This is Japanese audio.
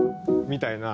みたいな。